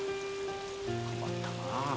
困ったなあ。